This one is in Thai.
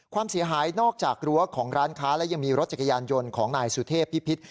ความเสียหายนอกจากรั้วของร้านค้าและยังมีรถจักรยานยนต์ของนายสุเทพพิพิษ